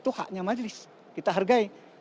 itu haknya majelis kita hargai